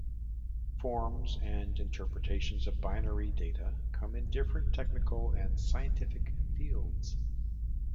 Forms and interpretations of binary data come in different technical and scientific fields.